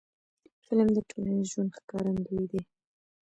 فلم د ټولنیز ژوند ښکارندوی دی